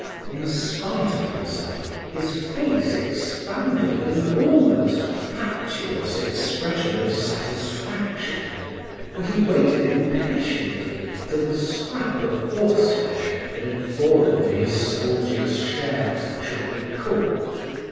In spite of himself his face expanded with an almost fatuous expression of satisfaction, and he waited impatiently till the scrap of horseflesh that had fallen to his soldier's share should be cooked.